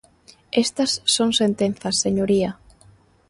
Estas son sentenzas, señoría.